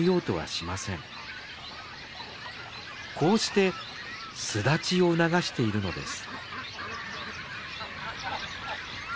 こうして巣立ちを促しているのです。